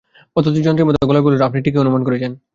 অতসী যন্ত্রের মতো গলায় বলল, আপনি ঠিকই অনুমান করেছেন।